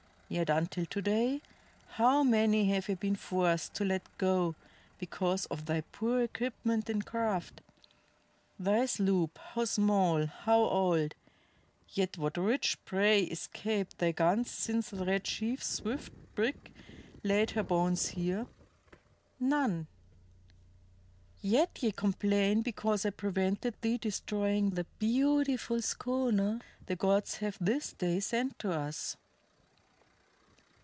Yet, until to day, how many have ye been forced to let go because of thy poor equipment in craft? Thy sloop, how small, how old yet what rich prey escaped thy guns since the Red Chief's swift brig laid her bones here? None! Yet ye complain because I prevented thee destroying the beautiful schooner the gods have this day sent to us!"